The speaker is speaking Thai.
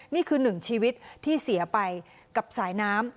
นี่คือหนึ่งชีวิตที่เสียไปกับสายน้ำ